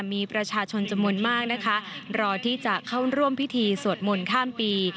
มีประชาชนจำนวนมากนะคะรอที่จะเข้าร่วมพิธีสวดมนต์ข้ามปี